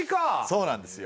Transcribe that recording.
そうなんですよ。